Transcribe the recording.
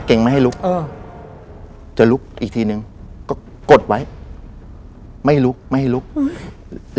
ไม่ให้ลุกเออจะลุกอีกทีนึงก็กดไว้ไม่ลุกไม่ให้ลุกอืม